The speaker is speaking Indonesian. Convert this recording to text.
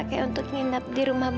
kemungkinan kamu g disrupted